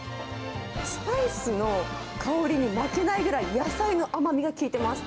スパイスの香りに負けないぐらい野菜の甘みが効いてます。